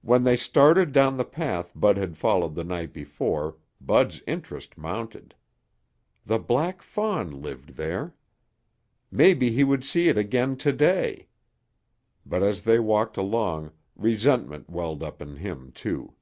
When they started down the path Bud had followed the night before, Bud's interest mounted. The black fawn lived there. Maybe he would see it again today. But as they walked along, resentment welled up in him, too.